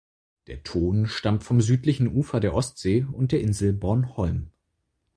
Der Ton stammt vom südlichen Ufer der Ostsee und der Insel Bornholm.